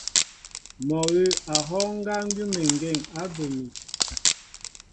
Mɔ awʉ̌ a hɔ́ɔ́ŋ ŋgá ŋgʉ́əŋgeŋ á bə mi.